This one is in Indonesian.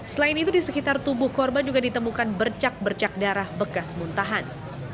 selain itu di sekitar tubuh korban juga ditemukan bercak bercak darah bekas muntahan